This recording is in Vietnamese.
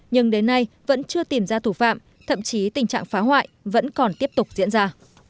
nhưng đến nay vẫn chưa tìm ra thủ phạm thậm chí tình trạng phá hoại vẫn còn tiếp tục diễn ra